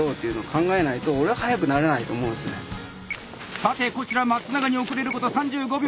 さてこちら松永に遅れること３５秒。